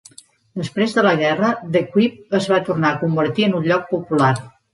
Després de la guerra, De Kuip es va tornar a convertir en un lloc popular.